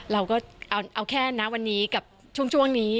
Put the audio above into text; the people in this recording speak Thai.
เอาแค่นะวันนี้กับช่วงนี้